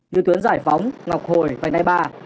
như tuyến giải phóng ngọc hồi và nay ba